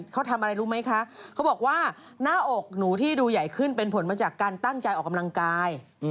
เขาทำอะไรรู้ไหมคะเขาบอกว่าหน้าอกหนูที่ดูใหญ่ขึ้นเป็นผลมาจากการตั้งใจออกกำลังกาย